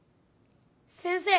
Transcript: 先生！